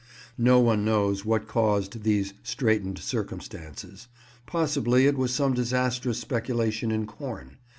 No one knows what caused these straitened circumstances. Possibly it was some disastrous speculation in corn.